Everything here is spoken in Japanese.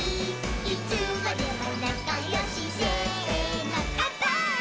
「いつまでもなかよしせーのかんぱーい！！」